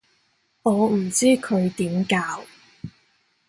我唔知佢點教